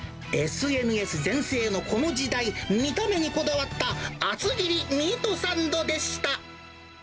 ＳＮＳ全盛のこの時代、見た目にこだわった厚切りミートサンドでした。